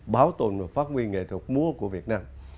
bảo tồn và phát huy nghệ thuật múa của việt nam